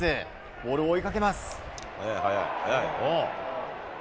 ボールを追いかけます。